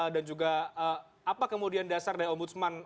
dan juga apa kemudian dasar dari ombudsman